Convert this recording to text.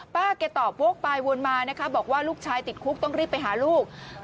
ป้าแกตอบโว๊กไปวนมานะคะบอกว่าลูกชายติดคุกต้องรีบไปหาลูก